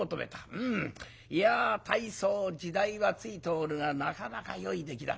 うんいや大層時代はついておるがなかなかよい出来だ。